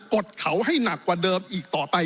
ดเขาให้หนักกว่าเดิมอีกต่อไป